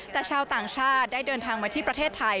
แต่ชาวต่างชาติได้เดินทางมาที่ประเทศไทย